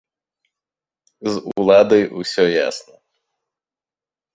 З уладай усё ясна.